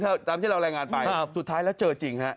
ตามที่เรารายงานไปสุดท้ายแล้วเจอจริงฮะ